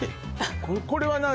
これは何？